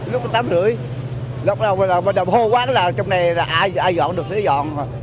lúc tám h ba mươi lúc nào bây giờ bây giờ hô quá là trong này là ai dọn được thì dọn